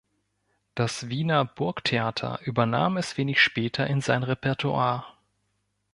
Das Wiener Burgtheater übernahm es wenig später in sein Repertoire.